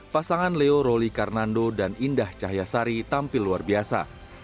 pasangan leo roli karnando dan indah cahyasari tampil luar biasa